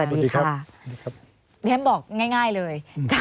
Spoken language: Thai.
ดิฉันบอกง่ายเลย